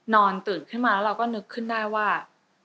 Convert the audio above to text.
ตื่นขึ้นมาแล้วเราก็นึกขึ้นได้ว่า